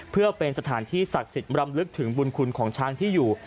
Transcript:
เพื่อเป็นสถานที่ศักดิ์สิทธิ์รำลึกถึงบุญคุณของช้างที่อยู่